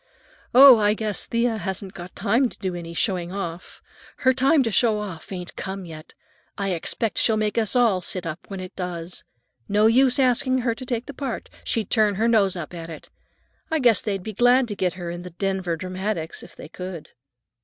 "Oh, I guess Thea hasn't got time to do any showing off. Her time to show off ain't come yet. I expect she'll make us all sit up when it does. No use asking her to take the part. She'd turn her nose up at it. I guess they'd be glad to get her in the Denver Dramatics, if they could."